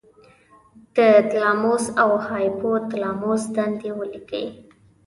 د تلاموس او هایپو تلاموس دندې ولیکئ.